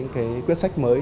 cái quyết sách mới